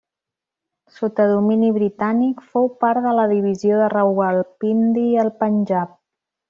Sota domini britànic fou part de la divisió de Rawalpindi al Panjab.